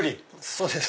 そうです。